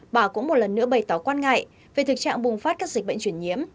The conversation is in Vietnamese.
bà cũng một lần nữa bày tỏ quan ngại về thực trạng bùng phát các dịch bệnh truyền nhiễm